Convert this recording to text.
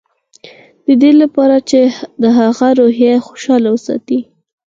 د دې لپاره چې د هغه روحيه خوشحاله وساتي.